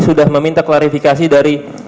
sudah meminta klarifikasi dari